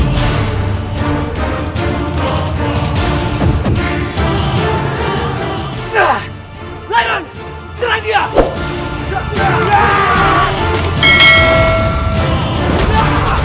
layan serang dia